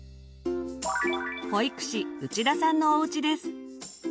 保育士内田さんのおうちです。